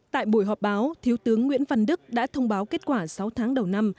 tại buổi họp báo thiếu tướng nguyễn văn đức đã thông báo kết quả sáu tháng đầu năm